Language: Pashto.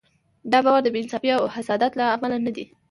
دا باور د بې انصافۍ او حسادت له امله نه دی.